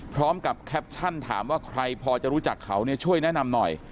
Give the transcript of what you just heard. พร้อมกับแคปชั่นถามว่าใครพอจะรู้จักเขาเนี่ยช่วยแนะนำหน่อย